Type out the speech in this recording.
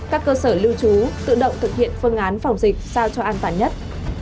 các cơ sở lưu trú tự động thực hiện phương án phòng dịch sao cho an toàn nhất